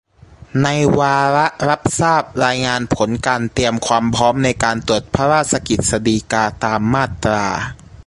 ในวาระรับทราบรายงานผลการเตรียมความพร้อมในการตราพระราชกฤษฎีกาตามมาตรา